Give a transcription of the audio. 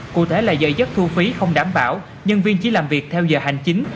cụ thể là dạy dất thu phí không đảm bảo nhân viên chỉ làm việc theo giờ hành chính